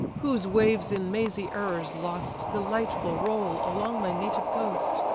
whose waves in mazy errors lost Delightful roll along my native coast!